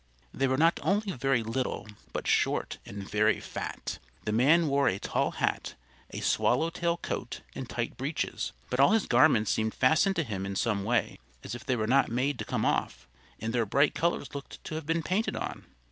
They were not only very little, but short and very fat. The man wore a tall hat, a swallow tail coat and tight breeches; but all his garments seemed fastened to him in some way, as if they were not made to come off, and their bright colors looked to have been painted on.